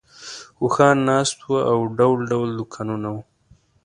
اوښان ناست وو او ډول ډول دوکانونه وو.